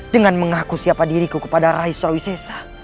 dengan mengaku siapa diriku kepada rais surawisesa